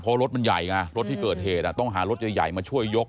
เพราะรถมันใหญ่ไงรถที่เกิดเหตุต้องหารถใหญ่มาช่วยยก